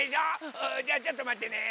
あじゃちょっとまってね。